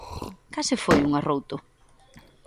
Case foi un arrouto.